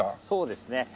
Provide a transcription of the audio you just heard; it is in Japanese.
そうですね。